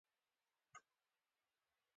مالي داراییو ماليات تغير کوي.